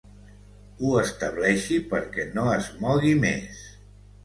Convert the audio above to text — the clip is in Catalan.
Ho estableixi perquè no es mogui més.